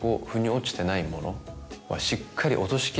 しっかり。